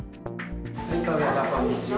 こんにちは。